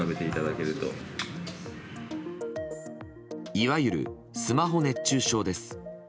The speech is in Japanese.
いわゆるスマホ熱中症です。